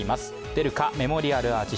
出るか、メモリアルアーチ。